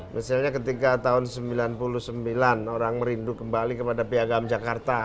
misalnya ketika tahun sembilan puluh sembilan orang merindu kembali kepada piagam jakarta